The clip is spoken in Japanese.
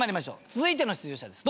続いての出場者です。